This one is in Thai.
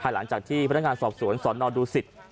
หลังจากที่พนักงานสอบสวนสนดูสิต